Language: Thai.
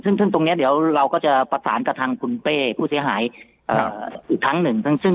ซึ่งตรงนี้เดี๋ยวเราก็จะประสานกับทางคุณเป้ผู้เสียหายอีกครั้งหนึ่ง